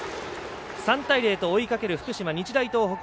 ３対０と追いかける福島、日大東北。